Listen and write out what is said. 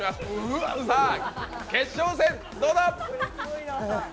うわ決勝戦、どうだ！